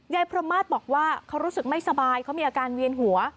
พรหมาศบอกว่าเขารู้สึกไม่สบายเขามีอาการเวียนหัว